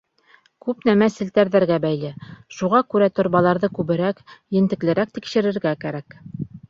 — Күп нәмә селтәрҙәргә бәйле, шуға күрә торбаларҙы күберәк, ентеклерәк тикшерергә кәрәк.